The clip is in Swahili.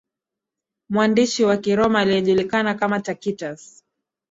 Mwandishi wa kiroma aliyejulikana kama Tacitus